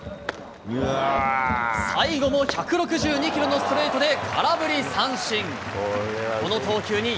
最後も１６２キロのストレートで空振り三振。